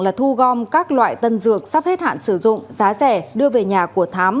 là thu gom các loại tân dược sắp hết hạn sử dụng giá rẻ đưa về nhà của thám